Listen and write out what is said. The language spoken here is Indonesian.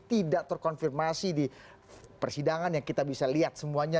tidak terkonfirmasi di persidangan yang kita bisa lihat semuanya